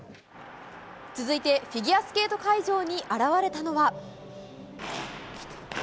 続いてフィギュアスケート会場に現れたのは。